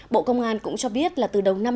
bộ công an cũng cho biết là từ đầu năm hai nghìn hai